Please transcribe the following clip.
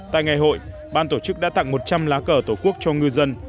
tại ngày hội ban tổ chức đã tặng một trăm linh lá cờ tổ quốc cho ngư dân